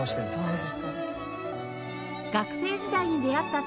そうですそうです。